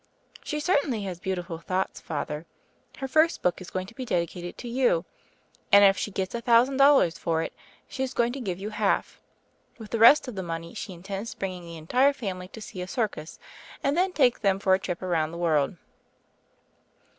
"She certainly has beautiful thoughts, Father. Her first book is going to be dedicated to you, 38 THE FAIRY OF THE SNOWS 39 and if she gets a thousand dollars for it she is going to give you half. With the rest of the money she intends bringing the entire family to see a circus, and then take them for a trip round the world."